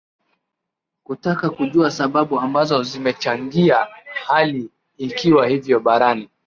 kutaka kujua sababu ambazo zimechangia hali ikiwa hivyo barani